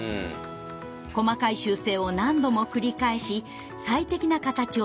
細かい修正を何度も繰り返し最適な形を追求しました。